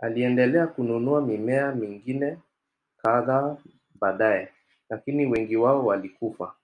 Aliendelea kununua mimea mingine kadhaa baadaye, lakini wengi wao walikufa.